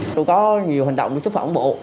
tôi có nhiều hành động xúc phạm ổng bộ